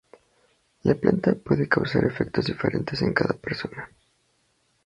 La planta puede causar efectos diferentes en cada persona.